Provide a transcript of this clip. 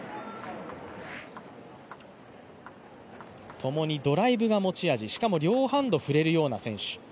ともにドライブが持ち味、しかも両ハンド振れるような選手。